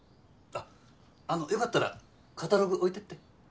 あっあの良かったらカタログ置いてって。